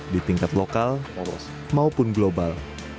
di tingkat lokal polos maupun global